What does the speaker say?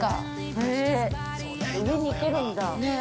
◆ええっ、上に行けるんだ。